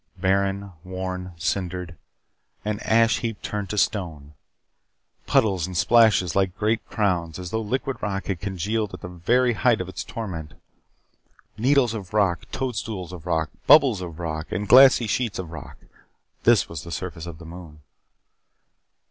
Barren, worn, cindered. An ash heap turned to stone. Puddles and splashes shaped like great crowns, as though liquid rock had congealed at the very height of its torment. Needles of rock, toadstools of rock, bubbles of rock, and glassy sheets of rock this was the surface of the moon.